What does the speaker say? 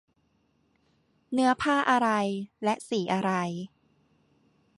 เนื้อผ้าอะไร และสีอะไร